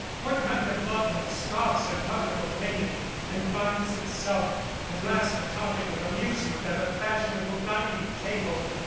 What kind of love that scoffs at public opinion and finds itself at last a topic of amusement at a fashionable dining table?